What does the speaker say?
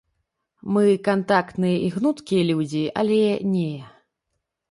Мы кантактныя і гнуткія людзі, але не!